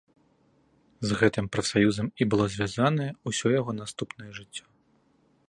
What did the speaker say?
З гэтым прафсаюзам і было звязанае ўсё яго наступнае жыццё.